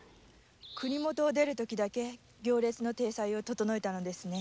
国を出る時だけ体裁を整えたのですね。